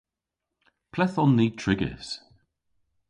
Ple'th on ni trigys?